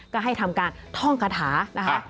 ก็ให้ทำการท่องคาถานะคะ